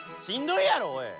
しんどいやろおい！